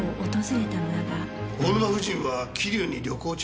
大沼夫人は桐生に旅行中？